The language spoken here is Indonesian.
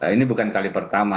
ini bukan kali pertama